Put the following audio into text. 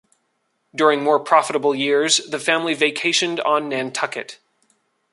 During more profitable years, the family vacationed on Nantucket.